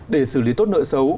để xử lý tốt nợ xấu